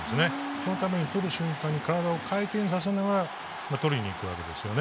そのために、とる瞬間に体を回転させながらとりにいくわけですよね。